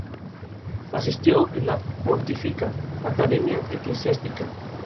Se promueve por el contrario el acceso de docentes, investigadores y estudiantes universitarios.